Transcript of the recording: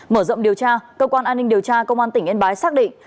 mở rộng điều tra cơ quan an ninh điều tra công an tỉnh yên bái xác định